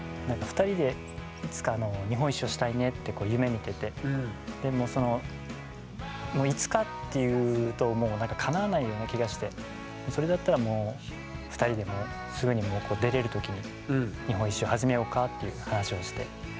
２人でいつか日本一周をしたいねって夢みててでもそのいつかって言うともうなんかかなわないような気がしてそれだったらもう２人ですぐに出れる時に日本一周始めようかっていう話をして。